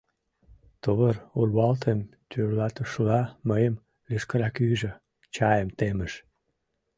Тувыр урвалтым тӧрлатышыла, мыйым лишкырак ӱжӧ, чайым темыш.